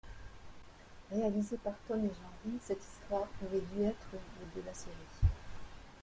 Réalisé par Tome et Janry, cette histoire aurait dû être le de la série.